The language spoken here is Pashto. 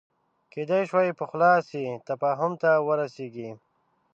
کېدای شوای پخلا شي تفاهم ته ورسېږي